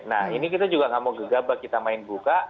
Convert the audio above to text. nah ini kita juga gak mau gegabah kita main buka